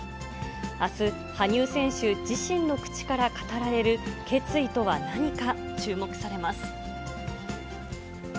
あす、羽生選手自身の口から語られる決意とは何か、注目されます。